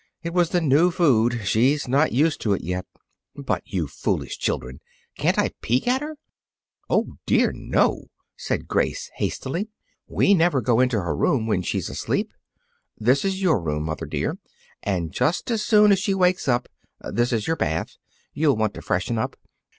It was the new food. She's not used to it yet." "But, you foolish children, can't I peek at her?" "Oh, dear, no!" said Grace hastily. "We never go into her room when she's asleep. This is your room, mother dear. And just as soon as she wakes up this is your bath you'll want to freshen up.